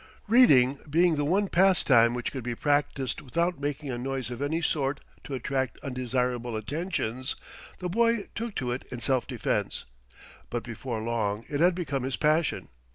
Reading being the one pastime which could be practiced without making a noise of any sort to attract undesirable attentions, the boy took to it in self defence. But before long it had become his passion.